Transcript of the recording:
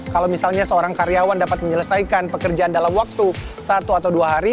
kalau misalnya seorang karyawan dapat menyelesaikan pekerjaan dalam waktu satu atau dua hari